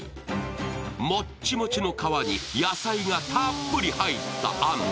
もっちもちの皮に野菜がたっぷり入ったあん。